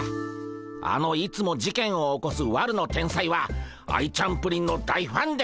あのいつも事件を起こす悪の天才はアイちゃんプリンの大ファンでゴンス。